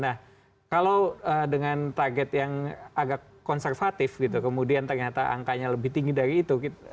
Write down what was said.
nah kalau dengan target yang agak konservatif gitu kemudian ternyata angkanya lebih tinggi dari itu